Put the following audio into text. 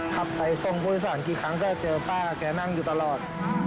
พักไปทรงภูมิศาลกี่ครั้งก็เจอป้ากับแกนั่งอยู่ตลอด